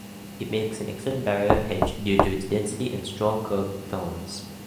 It makes an excellent barrier hedge due to its density and strong curved thorns.